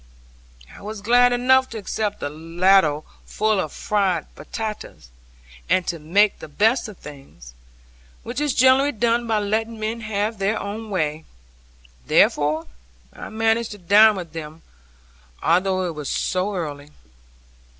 I was glad enough to accept the ladle full of fried batatas, and to make the best of things, which is generally done by letting men have their own way. Therefore I managed to dine with them, although it was so early.